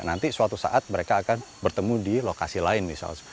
nanti suatu saat mereka akan bertemu di lokasi lain misal